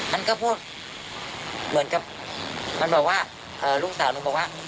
มันก็พูดเหมือนกับมันบอกว่าลูกสาวหนูบอกว่า